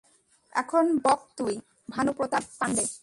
এখন বক তুই, ভানুপ্রতাপ পাণ্ডে।